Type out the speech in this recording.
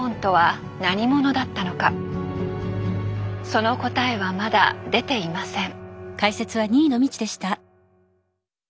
その答えはまだ出ていません。